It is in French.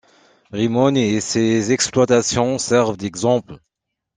Rimogne et ses exploitations servent d'exemple.